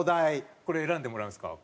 これ選んでもらうんですか。